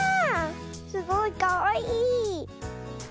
すごいかわいい。